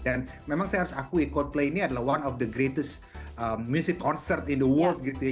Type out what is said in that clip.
dan memang saya harus akui coldplay ini adalah salah satu konsert musik terbesar di dunia gitu ya